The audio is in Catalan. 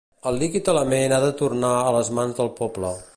el líquid element ha de tornar a les mans del poble